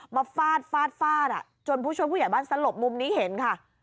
ฟาดฟาดฟาดจนผู้ช่วยผู้ใหญ่บ้านสลบมุมนี้เห็นค่ะ